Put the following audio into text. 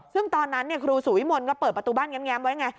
ซึ่งตอนนั้นครูสุวิมลก็เปิดประตูบ้านแง้มไว้ไง